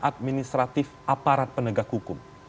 administratif aparat penegak hukum